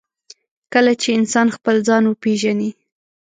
کله چې انسان خپل ځان وپېژني.